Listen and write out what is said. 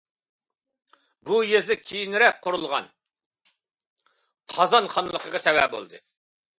بۇ يېزا كېيىنرەك قۇرۇلغان قازان خانلىقىغا تەۋە بولدى.